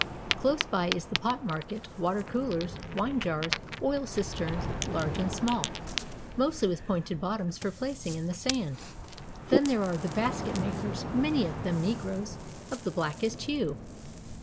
Close by is the pot market; water coolers, wine jars, oil cisterns large and small, mostly with pointed bottoms for placing in the sand. Then there are the basket makers, many of them Negroes of the blackest hue.